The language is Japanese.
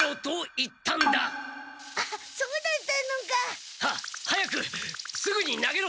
あそうだったのか。は早くすぐに投げろ！